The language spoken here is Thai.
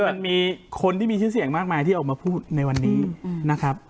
มันมีคนที่มีชื่อเสียงมากมายที่ออกมาพูดในวันนี้นะครับ